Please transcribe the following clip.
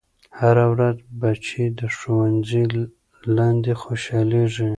هره ورځ بچے د ښوونځي لاندې خوشحالېږي.